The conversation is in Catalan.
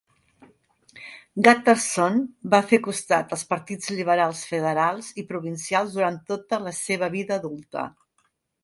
Guttormson va fer costat als partits liberals federals i provincials durant tota la seva vida adulta.